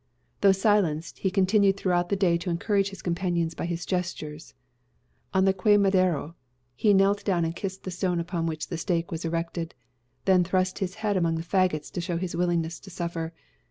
Though silenced, he continued throughout the day to encourage his companions by his gestures. On the Quemadero, he knelt down and kissed the stone upon which the stake was erected; then thrust his head among the fagots to show his willingness to suffer.